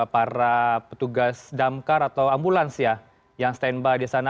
para petugas damkar atau ambulans ya yang standby di sana